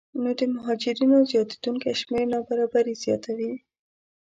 نو د مهاجرینو زیاتېدونکی شمېر نابرابري زیاتوي